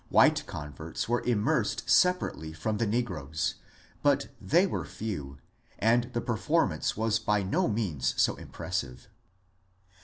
White converts were immersed separately from the negroes, but they were few, and the performance was by no means so impressive.